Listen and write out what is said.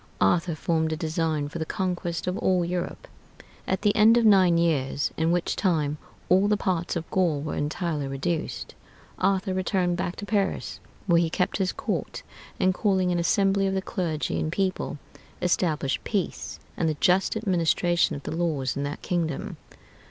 Arthur formed a design for the conquest of all Europe.... At the end of nine years, in which time all the parts of Gaul were entirely reduced, Arthur returned back to Paris, where he kept his court, and calling an assembly of the clergy and people, established peace and the just administration of the laws in that kingdom.